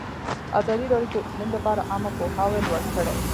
ازادي راډیو د اقلیم لپاره عامه پوهاوي لوړ کړی.